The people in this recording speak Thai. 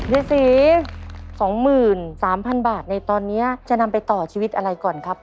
ยายศรี๒๓๐๐๐บาทในตอนนี้จะนำไปต่อชีวิตอะไรก่อนครับ